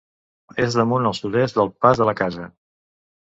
És damunt al sud-est del Pas de la Casa.